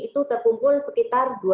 itu terkumpul sekitar dua peserta